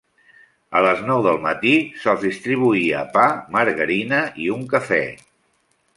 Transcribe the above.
A les nou del matí, se'ls distribuïa pa, margarina i un cafè.